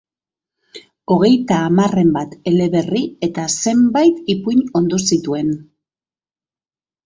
Hogeita hamarren bat eleberri eta zenbait ipuin ondu zituen.